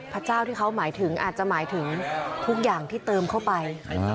พระเจ้าที่เขาหมายถึงอาจจะหมายถึงทุกอย่างที่เติมเข้าไป